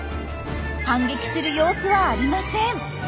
反撃する様子はありません。